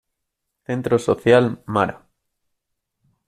Centro Social Mara.